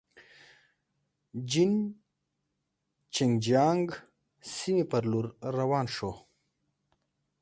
جین چنګ جیانګ سیمې پر لور روان شوو.